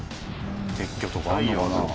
撤去とかあるのかな？